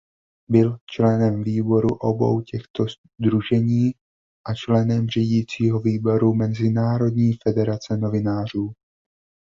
Byl členem výborů obou těchto sdružení a členem řídícího výboru Mezinárodní federace novinářů.